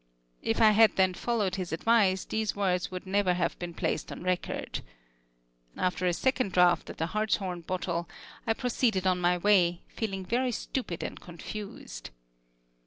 If I had then followed his advice these words would never have been placed on record. After a second draught at the hartshorn bottle, I proceeded on my way, feeling very stupid and confused.